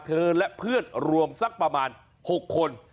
และเพื่อนรวมสักประมาณ๖คน